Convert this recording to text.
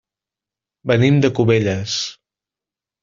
Venim de Cubelles.